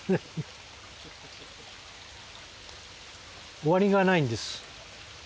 終わりがないんです。